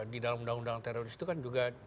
di dalam undang undang teroris itu kan juga